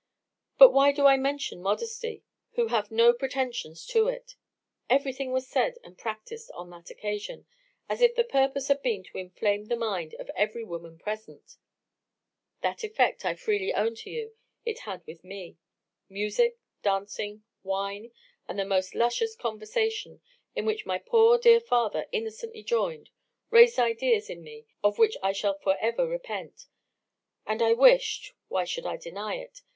But why do I mention modesty, who have no pretensions to it? Everything was said and practised on that occasion, as if the purpose had been to inflame the mind of every woman present. That effect, I freely own to you, it had with me. Music, dancing, wine, and the most luscious conversation, in which my poor dear father innocently joined, raised ideas in me of which I shall for ever repent; and I wished (why should I deny it?)